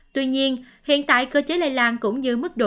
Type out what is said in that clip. tuy nhiên hiện tại cơ chế lây lan cũng như mức độ